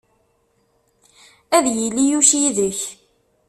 Ad yili Yuc yid-k!